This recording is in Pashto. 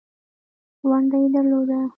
ونډه یې درلوده.